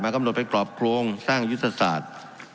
กำหนดไปกรอบโครงสร้างยุทธศาสตร์